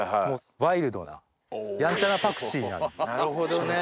なるほどね。